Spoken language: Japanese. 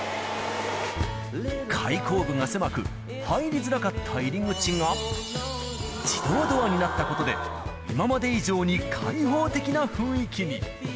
開口部が狭く、入りづらかった入り口が、自動ドアになったことで、今まで以上に開放的な雰囲気に。